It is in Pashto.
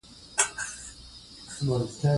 که ماشوم ته معلومات ورکړل شي، ستونزه کمه شي.